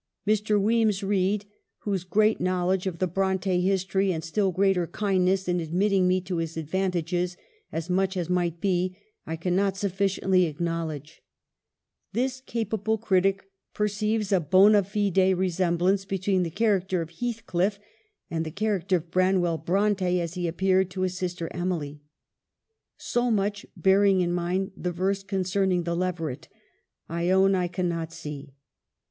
Mr. Wemyss Reid (whose great knowledge of the Bronte history and still greater kindness in admitting me to his advantages as much as might be, I cannot sufficiently acknowledge) — this capable critic perceives a bond fide resem blance between the character of Heathcliff and the character of Branwell Bronte as he appeared to his sister Emily. So much, bearing in mind the verse concerning the leveret, I own I cannot see.